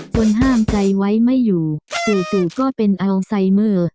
คนห้ามใจไว้ไม่อยู่จู่ก็เป็นอัลไซเมอร์